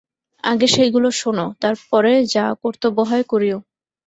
আগে সেইগুলো শোনো, তার পরে যা কর্তব্য হয় করিয়ো।